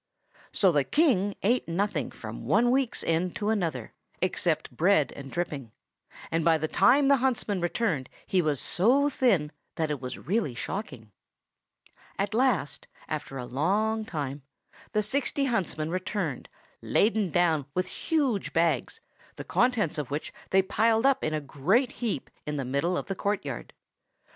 So the King ate nothing from one week's end to another, except bread and dripping; and by the time the huntsmen returned he was so thin that it was really shocking. At last, after a long time, the sixty huntsmen returned, laden down with huge bags, the contents of which they piled up in a great heap in the middle of the courtyard.